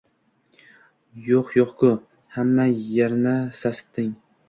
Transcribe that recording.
“Yog’ yo’q-ku, hamma yerni sasitding!”